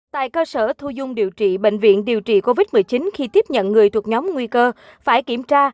tại cơ sở thu dung điều trị bệnh viện điều trị covid một mươi chín khi tiếp nhận người thuộc nhóm nguy cơ phải kiểm tra